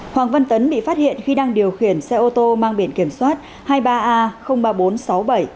hoàng văn tấn bị phát hiện khi đang điều khiển xe ô tô mang biển kiểm soát hai mươi ba a ba nghìn bốn trăm sáu mươi bảy